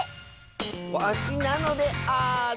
わしなのである！